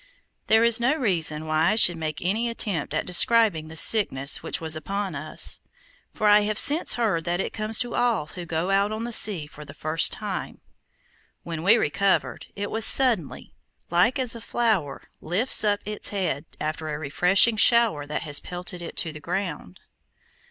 There is no reason why I should make any attempt at describing the sickness which was upon us, for I have since heard that it comes to all who go out on the sea for the first time. When we recovered, it was suddenly, like as a flower lifts up its head after a refreshing shower that has pelted it to the ground.